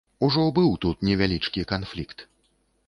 Ужо быў тут невялічкі канфлікт.